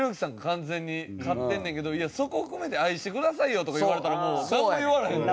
完全に勝ってんねんけどいやそこを含めて愛してくださいよとか言われたらもうなんも言われへん。